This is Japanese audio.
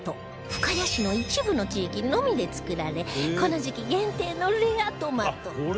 深谷市の一部の地域のみで作られこの時期限定のレアトマト